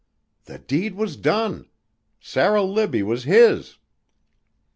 The deed was done! Sarah Libbie was his!